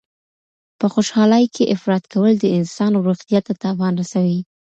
په خوشحالۍ کي افراط کول د انسان روغتیا ته تاوان رسوي.